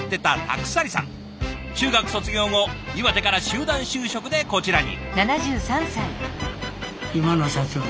中学卒業後岩手から集団就職でこちらに。